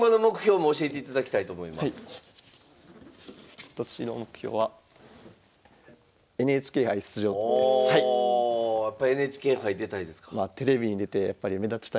今年の目標はおおやっぱＮＨＫ杯出たいですか？